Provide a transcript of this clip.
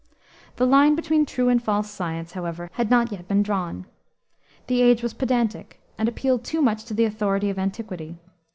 The line between true and false science, however, had not yet been drawn. The age was pedantic, and appealed too much to the authority of antiquity.